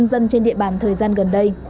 nhân dân trên địa bàn thời gian gần đây